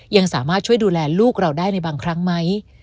ยังสามารถช่วยดูแลลูกเราได้ในบางครั้งไหม